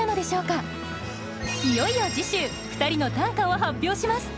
いよいよ次週２人の短歌を発表します。